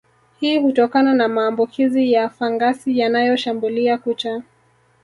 Hii hutokana na maambukizi ya fangasi yanayoshambulia kucha